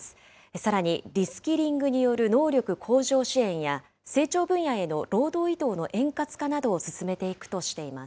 さらにリ・スキリングによる能力向上支援や、成長分野への労働移動の円滑化などを進めていくとしています。